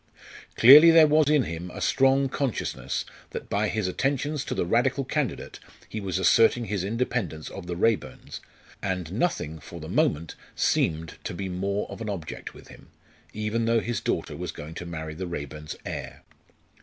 Clearly there was in him a strong consciousness that by his attentions to the Radical candidate he was asserting his independence of the Raeburns, and nothing for the moment seemed to be more of an object with him, even though his daughter was going to marry the Raeburns' heir.